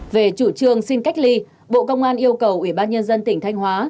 về chủ trương xin cách ly bộ công an yêu cầu ủy ban nhân dân tỉnh thanh hóa